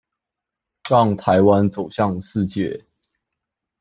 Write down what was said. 讓臺灣走向世界